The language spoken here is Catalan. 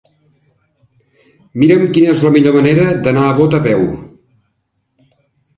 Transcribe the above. Mira'm quina és la millor manera d'anar a Bot a peu.